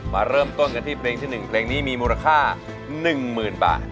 มาเริ่มต้นกันที่เพลงที่๑เพลงนี้มีมูลค่า๑๐๐๐บาท